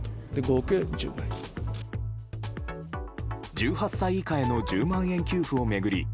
１８歳以下への１０万円給付を巡り